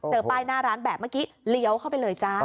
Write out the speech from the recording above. ป้ายหน้าร้านแบบเมื่อกี้เลี้ยวเข้าไปเลยจ้า